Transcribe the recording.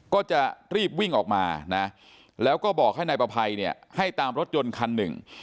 ก็จะรีบวิ่งออกมานะแล้วก็บอกให้นายประภัยเนี่ยให้ตามรถยนต์คันหนึ่ง